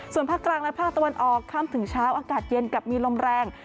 ส่วนภาคกลางและภาคตะวันออกค่ำถึงเช้าอากาศเย็นกับมีลมแรง